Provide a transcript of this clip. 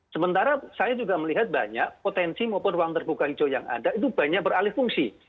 sementara saya juga melihat banyak potensi maupun ruang terbuka hijau yang ada itu banyak beralih fungsi